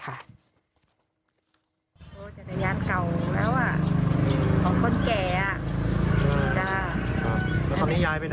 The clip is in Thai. ถ้ายายกลับไปบ้านที่แสงเซา